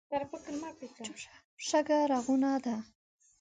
شګه رغونه ده.